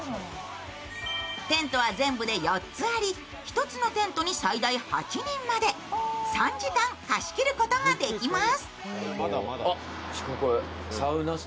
テントは全部で４つあり、１つのテントに最大８人まで３時間貸し切ることができます。